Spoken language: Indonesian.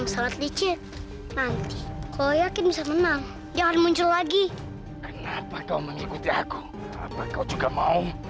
mencet nanti kau yakin bisa menang jangan muncul lagi mengikuti aku apa kau juga mau